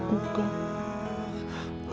hamba janji ya allah